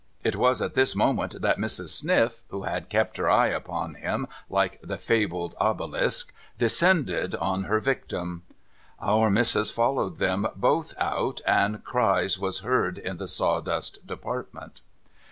It was at this moment that Mrs. Sniff, who had kep' her eye upon him like the fabled obelisk, descended on her victim. Our Missis followed them both out, and cries was heard in the sawdust department.